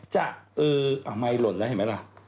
จะอือไมค์ล่นล้าเห็นไหมล่ะ